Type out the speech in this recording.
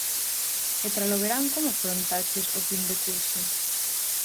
E tralo verán como afrontaches o fin de curso?